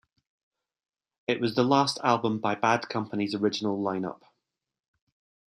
It was the last album by Bad Company's original line-up.